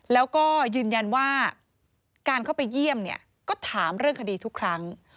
แล้วก็ยืนยันว่าการเข้าไปเยี่ยมเนี่ยก็ถามเรื่องคดีทุกครั้ง